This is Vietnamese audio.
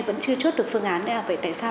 vẫn chưa chốt được phương án vậy tại sao